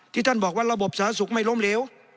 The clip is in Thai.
ท่านบอกว่าระบบสาธารณสุขไม่ล้มเหลว